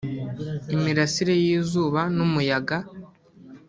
imirasire y’izuba n’umuyaga